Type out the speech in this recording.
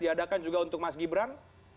diadakan juga untuk mas gibran